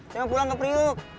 saya mau pulang ke priuk